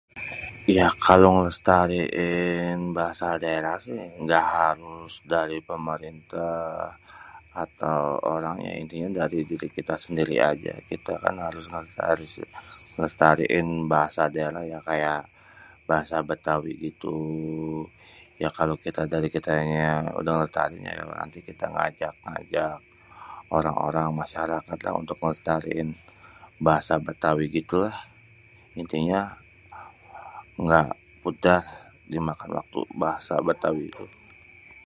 ya kalo ngelestariin bahasa daerah sih ngga harus dari pemerentah atau orang ya intinya dari diri kita sendiri aja.. kita kan harus ngelestariin bahasa daerah ya kayak bahasa betawi itu.. ya kalo kita dari kitanya udah ngelestariin ya nanti kita ngajak-ngajak orang-orang masyarakat lha untuk ngelestariin bahasa betawi gitu lahh.. intinya ngga mudah dimakan waktu bahasa betawi tu..